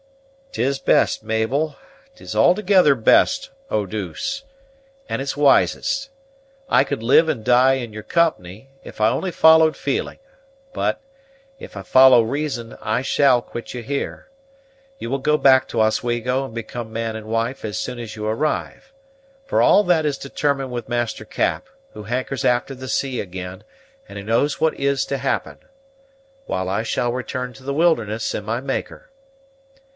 "'Tis best, Mabel, 'tis altogether best, Eau douce; and it's wisest. I could live and die in your company, if I only followed feeling; but, if I follow reason, I shall quit you here. You will go back to Oswego, and become man and wife as soon as you arrive, for all that is determined with Master Cap, who hankers after the sea again, and who knows what is to happen, while I shall return to the wilderness and my Maker.